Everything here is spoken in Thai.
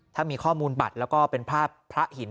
ถ้ามีข้อมูลบัตรแล้วก็เป็นภาพพระหิน